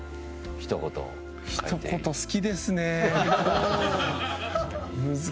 ひと言好きですね。